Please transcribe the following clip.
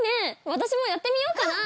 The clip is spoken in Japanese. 私もやってみようかな！